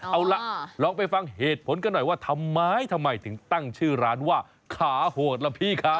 เอาล่ะลองไปฟังเหตุผลกันหน่อยว่าทำไมทำไมถึงตั้งชื่อร้านว่าขาโหดล่ะพี่ครับ